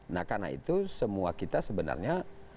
nah karena itu semua kita sebenarnya